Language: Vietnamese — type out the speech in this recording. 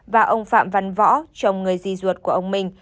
và ông phạm văn võ chồng người di ruột của ông minh